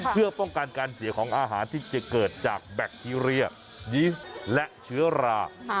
เพื่อป้องกันการเสียของอาหารที่จะเกิดจากแบคทีเรียยีสและเชื้อรา